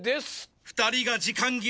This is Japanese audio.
２人が時間切れ。